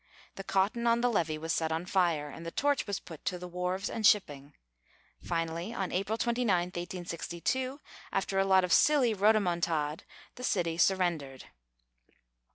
The cotton on the levee was set on fire, and the torch was put to the wharves and shipping. Finally, on April 29, 1862, after a lot of silly rhodomontade, the city surrendered.